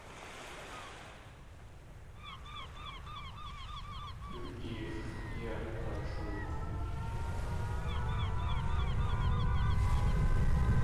Du eex̲ yei akg̲wachoox̲.